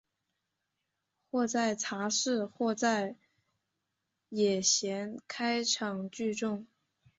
或在茶肆或在野闲开场聚众。